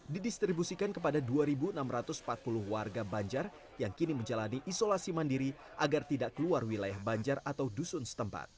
didistribusikan kepada dua enam ratus empat puluh warga banjar yang kini menjalani isolasi mandiri agar tidak keluar wilayah banjar atau dusun setempat